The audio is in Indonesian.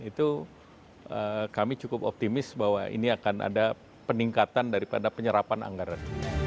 itu kami cukup optimis bahwa ini akan ada peningkatan daripada penyerapan anggaran